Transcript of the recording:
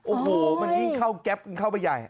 โอ้โหมันยิ่งเข้าแก๊ปกันเข้าไปใหญ่